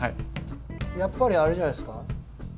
やっぱりあれじゃないですか。